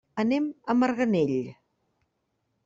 Anem a Marganell.